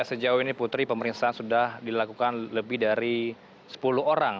sejauh ini putri pemeriksaan sudah dilakukan lebih dari sepuluh orang